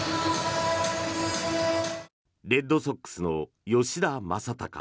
レッドソックスの吉田正尚。